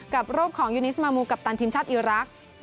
กับรูปของยูนิสมามูกัปตันทีมชาติอีรักษ์